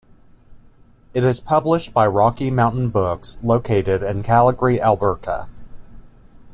It is published by Rocky Mountain Books, located in Calgary, Alberta.